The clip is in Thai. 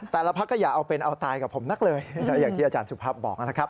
แต่ละพักก็อย่าเอาเป็นเอาตายกับผมนักเลยอย่างที่อาจารย์สุภาพบอกนะครับ